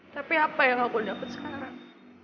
tapi apa yang aku dapat sekarang